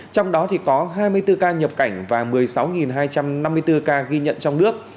trong đó có hai mươi bốn ca nhập cảnh và một mươi sáu hai trăm năm mươi bốn ca ghi nhận trong nước